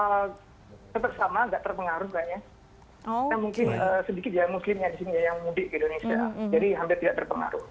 nah mungkin sedikit ya mungkin yang mudik ke indonesia jadi hampir tidak terpengaruh